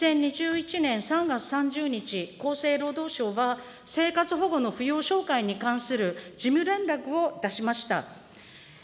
２０２１年３月３０日、厚生労働省は、生活保護の扶養照会に関する事務連絡を出しました。